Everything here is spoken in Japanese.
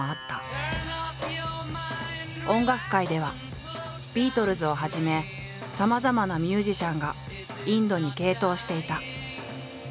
音楽界ではビートルズをはじめさまざまなミュージシャンがインドに傾倒していた。